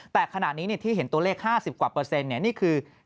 แต่ขณะนี้ที่เห็นตัวเลข๕๐กว่าเปอร์เซ็นต์นี่คือ